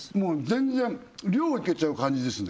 全然量いけちゃう感じですね